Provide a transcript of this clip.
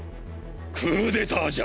クーデターじゃ。